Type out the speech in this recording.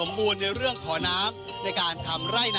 มันอาจจะเป็นแก๊สธรรมชาติค่ะ